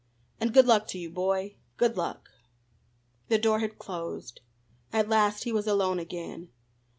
And good luck to you, boy good luck." The door had closed. At last he was alone again.